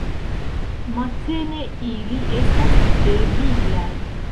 Matene ili estas tre viglaj.